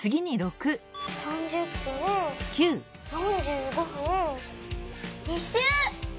３０分４５分一周！